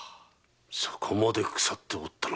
そこまで腐っておったのか。